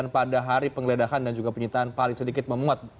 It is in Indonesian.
pada hari penggeledahan dan juga penyitaan paling sedikit memuat